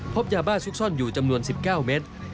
พบยาบ้าซุกซ่อนอยู่จำนวน๑๙เมตร